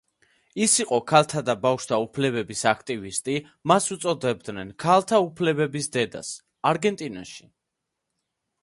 ის იყო ქალთა და ბავშვთა უფლებების აქტივისტი, მას უწოდებდნენ „ქალთა უფლებების დედას არგენტინაში“.